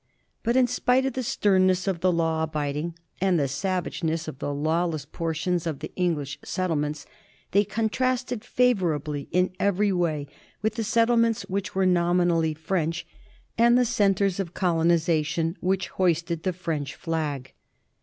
But in spite of the stern ness of the law abiding, and the savageness of the lawless portions of the English settlements, they contrasted fa vorably in eveiy way with the settlements which were nominally French and the centres of colonization which hoisted the French flag.